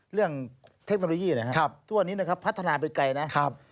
เทคโนโลยีนะครับทุกวันนี้นะครับพัฒนาไปไกลนะครับ